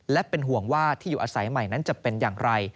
และเป็นห่วงว่าที่อยู่อาศัยใหม่นั้นจะเป็นอย่างไร